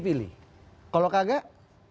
dipilih kalau kagak